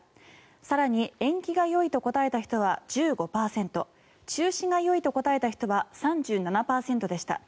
更に延期がよいと答えた人は１５％中止がよいと答えた人は３７％でした。